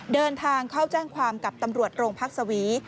เดินทางเข้าแจ้งความกับตำรวจโรงพักษวี